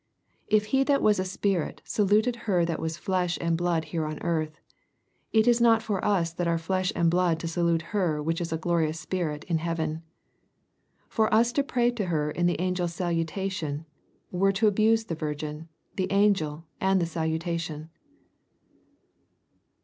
If he that was a spirit, saluted her that was flesh and blood here on earth, it is not for us that are flesh and blood to salute her which is a glorious spirit in heaven. For us to pray to her in the angel's salutation, were to abuse the virgin, the angel, and the salutation."